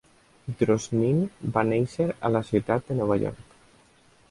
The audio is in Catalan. Drosnin va néixer a la ciutat de Nova York.